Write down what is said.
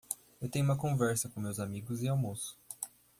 Eu tenho uma conversa com meus amigos e almoço.